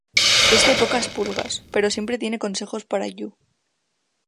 Es de pocas pulgas pero siempre tiene consejos para Yū.